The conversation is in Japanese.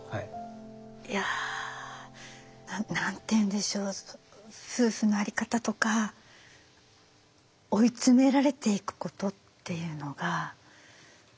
いや何て言うんでしょう夫婦の在り方とか追い詰められていくことっていうのが何でしょう